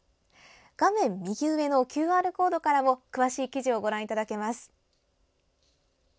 画面右上のＱＲコードからも詳しい記事をご覧いただけます。